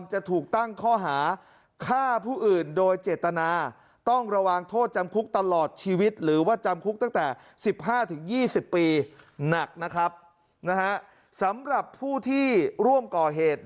หนักนะครับสำหรับผู้ที่ร่วมก่อเหตุ